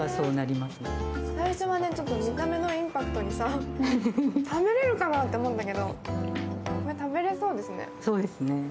最初は見た目のインパクトに食べれるかなと思うんだけど、食べれそうですね。